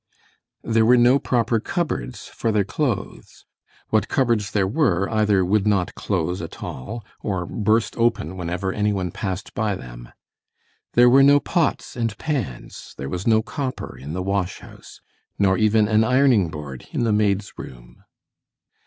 There were no proper cupboards for their clothes; what cupboards there were either would not close at all, or burst open whenever anyone passed by them. There were no pots and pans; there was no copper in the washhouse, nor even an ironing board in the maids' room.